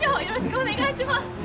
よろしくお願いします。